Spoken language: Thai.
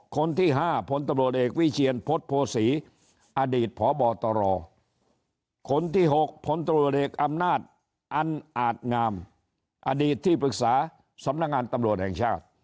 คนที่๕พลตำรวจเอกวิเชียนพฤษโภษีอดีตพบตรคนที่๖ผลตรวจเอกอำนาจอันอาจงามอดีตที่ปรึกษาสำนักงานตำรวจแห่งชาติ